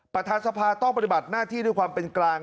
ประธานสภาต้องปฏิบัติหน้าที่ด้วยความเป็นกลาง